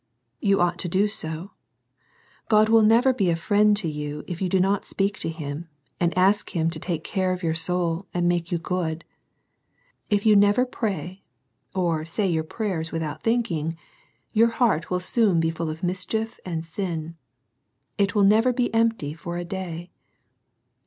You ought to do so. God will never be a friend to you if you do not speak to Him, and ask Him to take care of your soul and make you good. If you never pray, oi say your prayers without thinking, your heart will soon be full of mischief and sin. It will never be empty for a day.